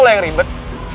lo yang ribet